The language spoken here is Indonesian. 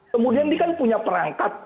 kemudian dia kan punya perangkat